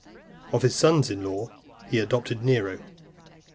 Of his (321) sons in law, he adopted Nero.